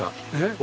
え？